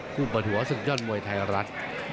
เปิดหัวศึกยอดมวยไทยรัฐ